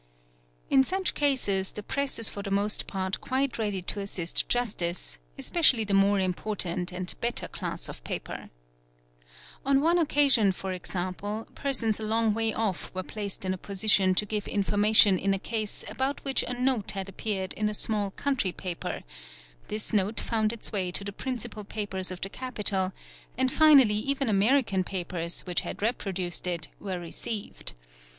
i _ In such cases the press is for the most part quite ready to assist | justice, especially the more important and better class of paper. On one : 0 casion, for example, persons a long way off were placed in a position to give information in a case about which a note had appeared in a small | sountry paper; this note found its way into the principal papers of the apital, and finally, even American papers, which had reproduced it, were eceived.